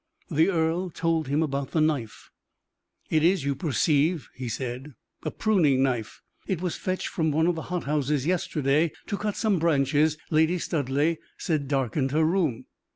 The earl told him about the knife. "It is, you perceive," he said, "a pruning knife. It was fetched from one of the hot houses yesterday, to cut some branches Lady Studleigh said darkened her room.